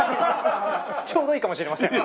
ちょうどいいかもしれません。